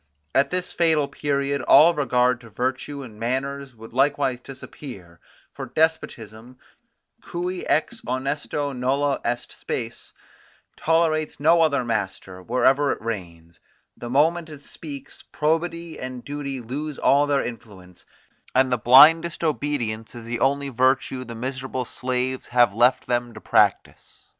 At this fatal period all regard to virtue and manners would likewise disappear; for despotism, cui ex honesto nulla est spes, tolerates no other master, wherever it reigns; the moment it speaks, probity and duty lose all their influence, and the blindest obedience is the only virtue the miserable slaves have left them to practise.